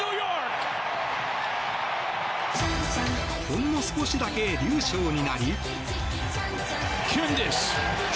ほんの少しだけ流暢になり。